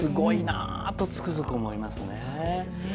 すごいなとつくづく思いますね。